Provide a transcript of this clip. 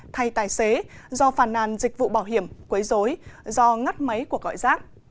thay tài xế do phản nàn dịch vụ bảo hiểm quấy rối do ngắt máy của gọi rác